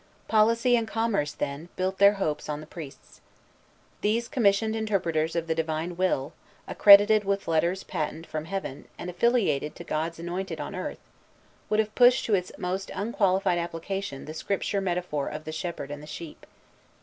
Policy and commerce, then, built their hopes on the priests. These commissioned interpreters of the Divine Will, accredited with letters patent from Heaven, and affiliated to God's anointed on earth, would have pushed to its most unqualified application the Scripture metaphor of the shepherd and the sheep.